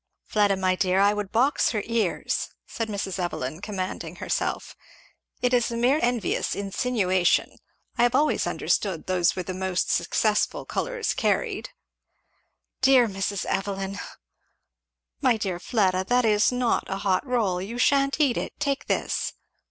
"Fleda my dear, I would box her ears," said Mrs. Evelyn commanding herself. "It is a mere envious insinuation, I have always understood those were the most successful colours carried." "Dear Mrs. Evelyn! " "My dear Fleda, that is not a hot roll you sha'n't eat it Take this.